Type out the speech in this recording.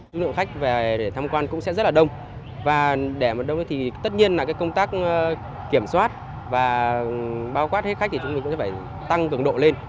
lượng khách về để tham quan cũng sẽ rất là đông và để đông thì tất nhiên là công tác kiểm soát và bao quát hết khách thì chúng mình cũng sẽ phải tăng cường độ lên